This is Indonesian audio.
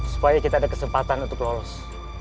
supaya kita ada kesempatan untuk lolos